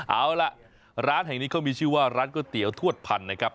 เอาล่ะร้านแห่งนี้เขามีชื่อว่าร้านก๋วยเตี๋ยวทวดพันธุ์นะครับ